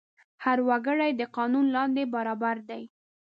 هر وګړی د قانون لاندې برابر دی.